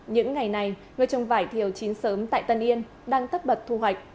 những ngày này người trồng vải thiều chín sớm tại tân yên đang tất bật thu hoạch